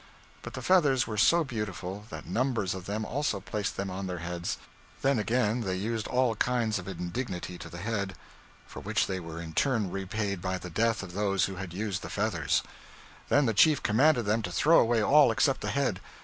But the feathers were so beautiful, that numbers of them also placed them on their heads. Then again they used all kinds of indignity to the head, for which they were in turn repaid by the death of those who had used the feathers. Then the chief commanded them to throw away all except the head.